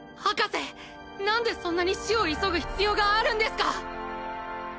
博士何でそんなに死を急ぐ必要があるんですか